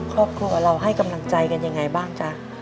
ครอบครัวเราให้กำลังใจกันยังไงบ้างจ๊ะ